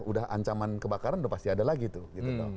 udah ancaman kebakaran pasti ada lagi tuh